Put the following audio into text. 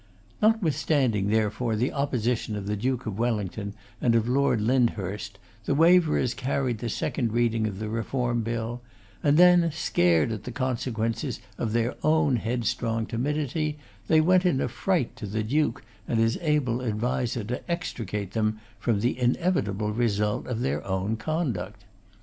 Notwithstanding, therefore, the opposition of the Duke of Wellington and of Lord Lyndhurst, the Waverers carried the second reading of the Reform Bill; and then, scared at the consequences of their own headstrong timidity, they went in a fright to the Duke and his able adviser to extricate them from the inevitable result of their own conduct.